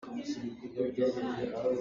Vok cu a ke in na khit kho hnga maw?